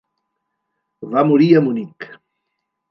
Va morir a Munich.